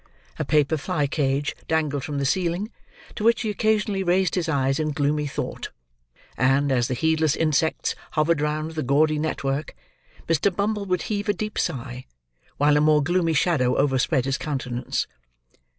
A paper fly cage dangled from the ceiling, to which he occasionally raised his eyes in gloomy thought; and, as the heedless insects hovered round the gaudy net work, Mr. Bumble would heave a deep sigh, while a more gloomy shadow overspread his countenance.